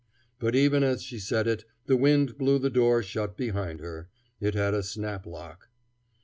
But even as she said it the wind blew the door shut behind her. It had a snap lock.